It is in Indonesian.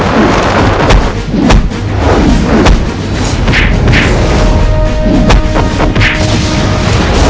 penaga puspa tingkat terakhir